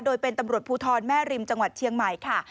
โดยเป็นตำรวจภูทรแม่ริมจังหวัดเชียงใหม่ค่ะ